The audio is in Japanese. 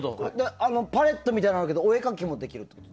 パレットみたいなのあるけどお絵かきもできるの？